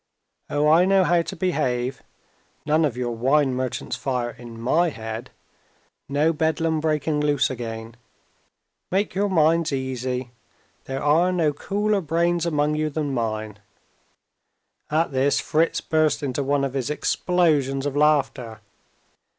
Oh, I know how to behave. None of your wine merchant's fire in my head; no Bedlam breaking loose again. Make your minds easy. There are no cooler brains among you than mine." At this, Fritz burst into one of his explosions of laughter.